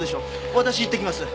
私行ってきます。